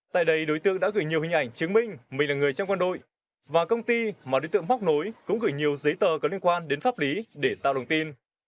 tại đây đối tượng đã gửi nhiều hình ảnh chứng minh mình là người trong quân đội và công ty mà đối tượng móc nối cũng gửi nhiều giấy tờ có liên quan đến pháp lý để tạo đồng tin